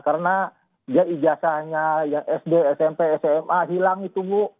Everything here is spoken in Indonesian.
karena dia ijazahnya sd smp sma hilang itu bu